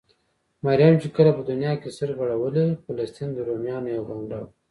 مريم چې کله په دونيا کې سترګې غړولې؛ فلسطين د روميانو يوه بانډه وه.